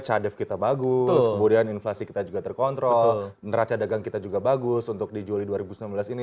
cadef kita bagus kemudian inflasi kita juga terkontrol neraca dagang kita juga bagus untuk di juli dua ribu sembilan belas ini